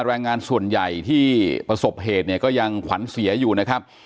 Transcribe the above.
แรงงานส่วนใหญ่ที่ประสบเหตุเนี่ยก็ยังขวัญเสียอยู่นะครับ